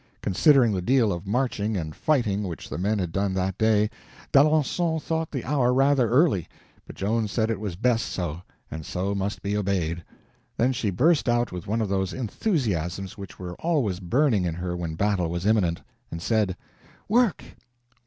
Considering the deal of marching and fighting which the men had done that day, D'Alencon thought the hour rather early; but Joan said it was best so, and so must be obeyed. Then she burst out with one of those enthusiasms which were always burning in her when battle was imminent, and said: "Work!